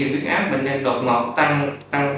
thì viết áp bệnh nhân đột ngọt tăng